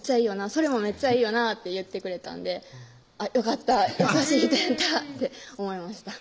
「それもめっちゃいいよな」って言ってくれたんでよかった優しい人やったって思いました